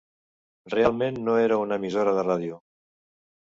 Realment no era una "emissora" de ràdio.